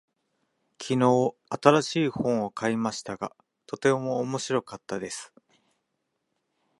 昨日、新しい本を買いましたが、とても面白かったです。